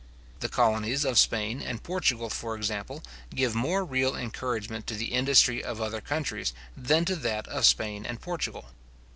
The colonies of Spain and Portugal, for example, give more real encouragement to the industry of other countries than to that of Spain and Portugal.